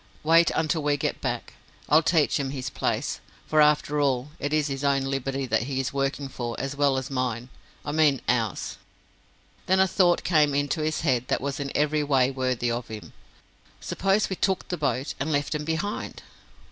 Wait until we get back. I'll teach him his place; for, after all, it is his own liberty that he is working for as well as mine I mean ours." Then a thought came into his head that was in every way worthy of him. "Suppose we took the boat, and left him behind!"